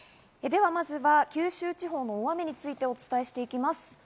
ではまずは九州地方の大雨についてお伝えしていきます。